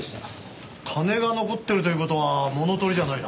金が残ってるという事は物取りじゃないな。